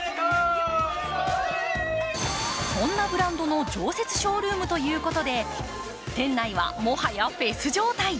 そんなブランドの常設ショールームということで、店内はもはやフェス状態。